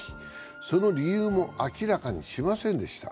その理由も明らかにしませんでした。